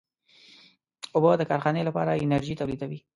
اوبه د کارخانې لپاره انرژي تولیدوي.